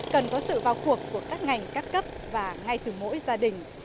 cần có sự vào cuộc của các ngành các cấp và ngay từ mỗi gia đình